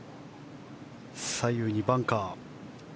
左右にバンカー。